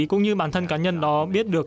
cũng như bản thân cá nhân đó biết được